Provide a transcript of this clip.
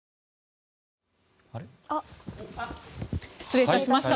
失礼いたしました。